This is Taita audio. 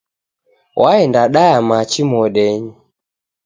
Waenda daya machi modenyi